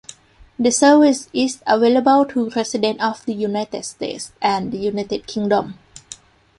The service is available to residents of the United States and the United Kingdom.